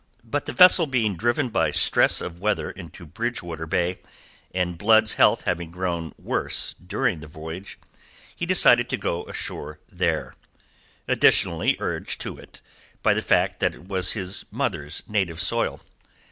But the vessel being driven by stress of weather into Bridgewater Bay, and Blood's health having grown worse during the voyage, he decided to go ashore there, additionally urged to it by the fact that it was his mother's native soil.